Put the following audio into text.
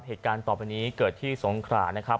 เหตุการณ์ต่อไปนี้เกิดที่สงขรานะครับ